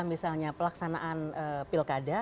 misalnya pelaksanaan pilkada